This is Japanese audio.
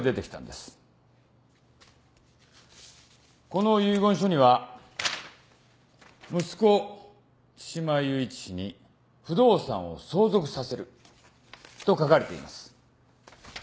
この遺言書には「息子津島雄一氏に不動産を相続させる」と書かれています。